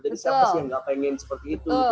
jadi siapa sih yang gak pengen seperti itu